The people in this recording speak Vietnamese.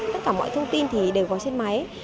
tất cả mọi thông tin đều có trên máy